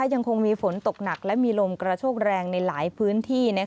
ยังคงมีฝนตกหนักและมีลมกระโชกแรงในหลายพื้นที่